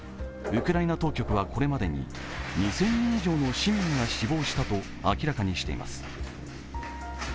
ウクライナ当局はこれまでに２０００人以上の市民が死亡したと明らかにしています。